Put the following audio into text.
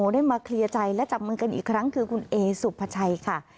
ได้มาเคลียร์ใจและจับมือกันอีกครั้งคือคุณเอสุภาชัยค่ะ